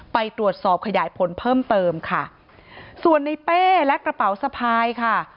เพิ่มเปิมค่ะส่วนในเป้และกระเป๋าสะพายค่ะ